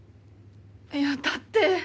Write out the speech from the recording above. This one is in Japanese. いやだって。